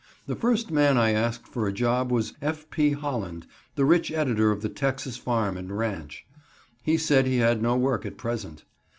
The first man I asked for a job was F. P. Holland, the rich editor of the Texas Farm and Ranch. He said he had no work at present.